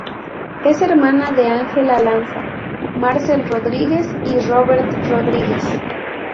Es hermana de Ángela Lanza, Marcel Rodríguez y Robert Rodríguez.